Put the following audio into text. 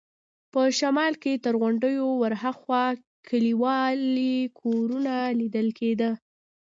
په شمال کې تر غونډیو ورهاخوا کلیوالي کورونه لیدل کېده.